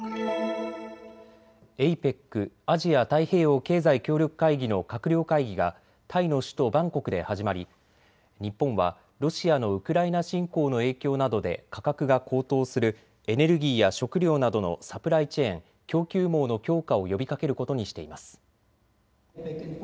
ＡＰＥＣ・アジア太平洋経済協力会議の閣僚会議がタイの首都バンコクで始まり日本はロシアのウクライナ侵攻の影響などで価格が高騰するエネルギーや食料などのサプライチェーン・供給網の強化を呼びかけることにしています。